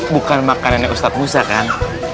bukan makanan ustadz musa kan